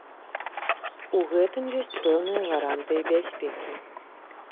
У гэтым ёсць пэўныя гарантыі бяспекі.